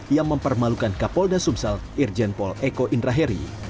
yang mempermalukan kapolda sumsel irjen pol eko indraheri